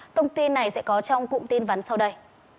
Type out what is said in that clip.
thông tin này sẽ có trong cụm tin vắn sau đây